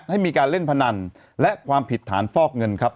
ให้มีการเล่นพนันและความผิดฐานฟอกเงินครับ